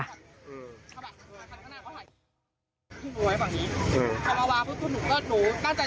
ตอนกลับไปพอเด้อไปปุ๊บขึ้นเข้าไปเลียนตรงแล้วก็พุ่งมาเลย